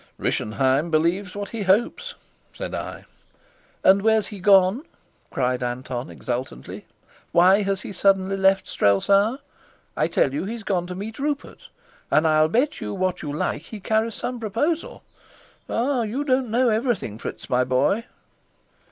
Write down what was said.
"Rischenheim believes what he hopes," said I. "And where's he gone?" cried Anton, exultantly. "Why has he suddenly left Strelsau? I tell you he's gone to meet Rupert, and I'll bet you what you like he carries some proposal. Ah, you don't know everything, Fritz, my boy?"